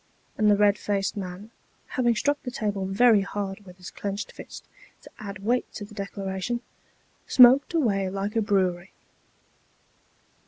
And the red faced man, having struck the table very hard with his clenched fist, to add weight to the declaration, smoked away like a brewery.